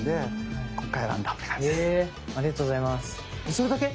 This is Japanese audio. それだけ？